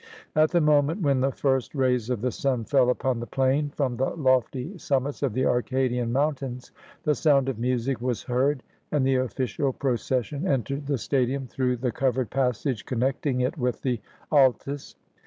At the moment when the first rays of the sun fell upon the plain from the lofty sum mits of the Arcadian mountains, the sound of music was heard, and the ofi&cial procession entered the stadium through the covered passage connecting it with the Altis.